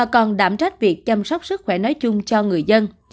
giảm trách việc chăm sóc sức khỏe nói chung cho người dân